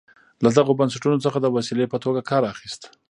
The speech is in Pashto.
له دغو بنسټونو څخه د وسیلې په توګه کار اخیست.